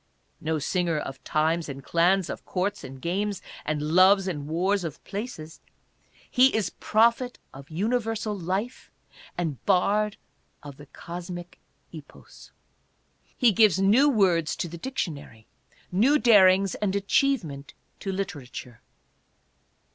'' No singer of times and clans, of courts and games, and loves and wars of places, he is Prophet of Universal Life and Bard of the Cosmic Epos. He gives new words to the dictionary, new darings and achievement to literature.